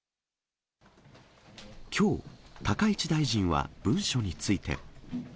きょう、高市大臣は文書について。